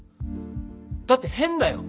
だって変だよ！